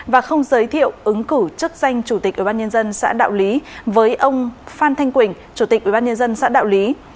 và không giới thiệu ứng cử chức danh chủ tịch ủy ban nhân dân xã đạo lý với ông phan thanh quỳnh chủ tịch ủy ban nhân dân xã đạo lý